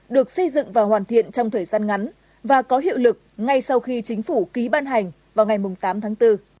được xây dựng và hoàn thiện trong thời gian ngắn và có hiệu lực ngay sau khi chính phủ ký ban hành vào ngày tám tháng bốn